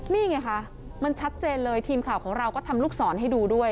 นี่ไงคะมันชัดเจนเลยทีมข่าวของเราก็ทำลูกศรให้ดูด้วย